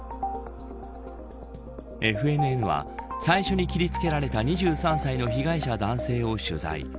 ＦＮＮは、最初に切りつけられた２３歳の被害者男性を取材。